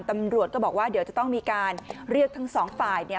ตำรวจก็บอกว่าเดี๋ยวจะต้องมีการเรียกทั้งสองฝ่ายเนี่ย